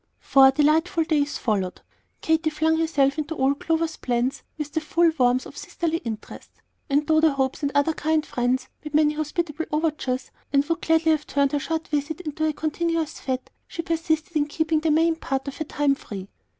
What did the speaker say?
Four delightful days followed. Katy flung herself into all Clover's plans with the full warmth of sisterly interest; and though the Hopes and other kind friends made many hospitable overtures, and would gladly have turned her short visit into a continuous fête, she persisted in keeping the main part of her time free.